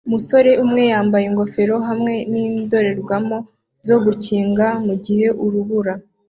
Umusore umwe yambaye ingofero hamwe nindorerwamo zo gukingira mugihe urubura